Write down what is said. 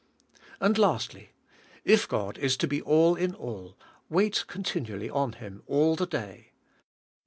And lastly: if God is to be all in all, wait con tinually on Him all the day.